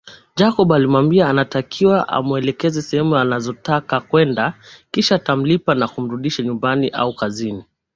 Jacob alimwambia anatakiwa amuelekeze sehemu anazotaka kwenda kisha atamlipa na kumrudisha nyumbani au kazini